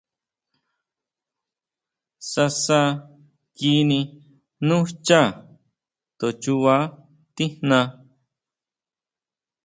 Sasa kini nú xchá, to chuba tijna.